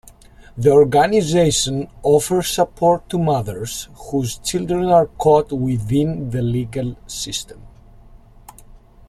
The organization offers support to mothers whose children are caught within the legal system.